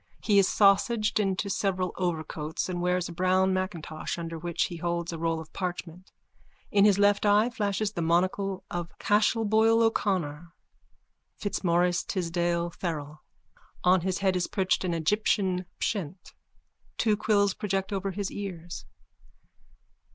He is sausaged into several overcoats and wears a brown macintosh under which he holds a roll of parchment. In his left eye flashes the monocle of Cashel Boyle O'Connor Fitzmaurice Tisdall Farrell. On his head is perched an Egyptian pshent. Two quills project over his ears.)